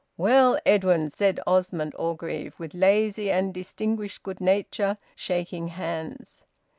"Well, Edwin!" said Osmond Orgreave with lazy and distinguished good nature, shaking hands.